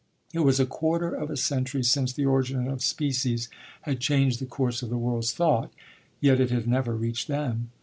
It was a quarter of a century since "The Origin of Species" had changed the course of the world's thought, yet it had never reached them.